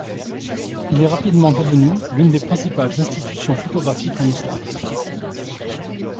Il est rapidement devenu l'une des principales institutions photographiques en Australie.